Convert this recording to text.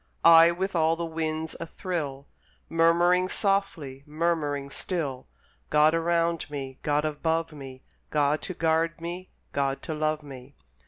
I, with all the winds athrill, Murmuring softly, murmuring still, "God around me, God above me, God to guard me, God to love me."